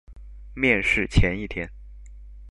面試前一天